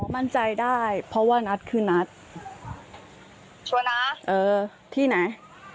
มั่นใจได้เพราะว่านัทคือนัทชัวร์นะเออที่ไหน